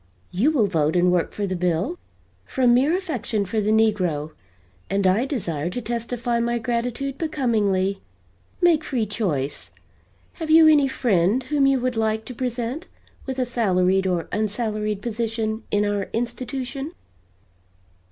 You will vote and work for the bill, from mere affection for the negro, and I desire to testify my gratitude becomingly. Make free choice. Have you any friend whom you would like to present with a salaried or unsalaried position in our institution?"